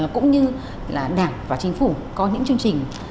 cũng như là đảng và chính phủ có những chương trình